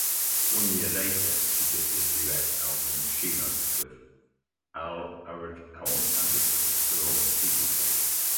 One year later she did the duet album "Sheila", with Arild Andersen for SteepleChase.